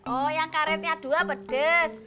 oh yang karetnya dua pedes